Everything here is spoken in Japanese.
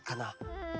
うん。